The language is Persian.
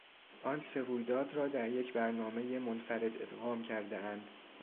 آن سه رویداد را در یک برنامهی منفرد ادغام کردهاند.